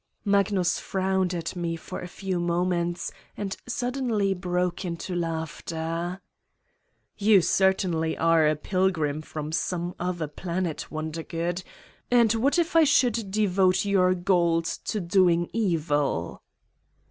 Magnus frowned at me for a few moments and suddenly broke into laughter: "You certainly are a pilgrim from some other planet, Wondergood! ... And what if I should devote your gold to doing evil?"